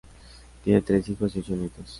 Tiene tres hijos y ocho nietos.